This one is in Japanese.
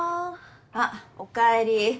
あおかえり。